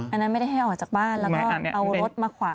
อันนั้นไม่ได้ให้ออกจากบ้านแล้วก็เอารถมาขวาง